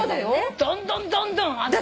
どんどんどんどんあの人ら。